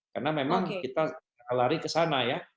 karena memang kita akan lari ke sana ya